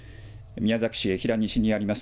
宮崎県江平西にあります